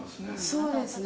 そうですね。